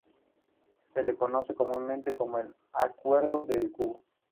Se le conoce comúnmente como el "Acueducto Del Cubo".